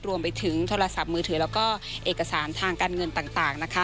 รวมไปถึงโทรศัพท์มือถือแล้วก็เอกสารทางการเงินต่างนะคะ